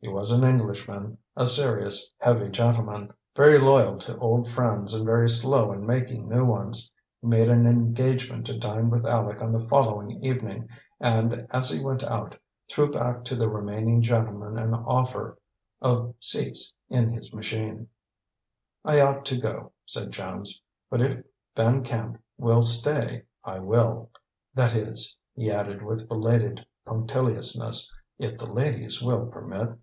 He was an Englishman, a serious, heavy gentleman, very loyal to old friends and very slow in making new ones. He made an engagement to dine with Aleck on the following evening, and, as he went out, threw back to the remaining gentlemen an offer of seats in his machine. "I ought to go," said Jones; "but if Van Camp will stay, I will. That is," he added with belated punctiliousness, "if the ladies will permit?"